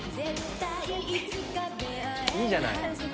いいじゃない。